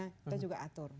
kita juga atur